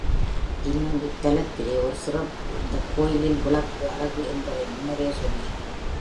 இன்னும் இத்தலத்திலே ஒரு சிறப்பு இந்தக்கோயிலில் விளக்கு அழகு என்பதை முன்னரே சொன்னேன்.